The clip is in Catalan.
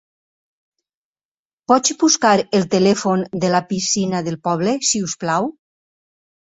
Pots buscar el telèfon de la piscina del poble, si us plau?